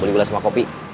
beli belah sama kopi